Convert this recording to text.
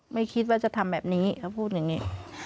ไม่คิดว่าจะทำแบบนี้เขาพูดอย่างนี้